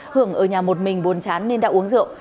hưởng ở nhà một mình bốn chán nên đã uống rượu